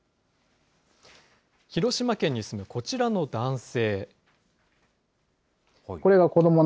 広島県に住むこちらの男性。